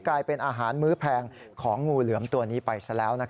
กลายเป็นอาหารมื้อแพงของงูเหลือมตัวนี้ไปซะแล้ว